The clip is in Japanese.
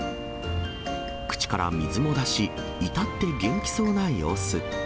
口から水も出し、至って元気そうな様子。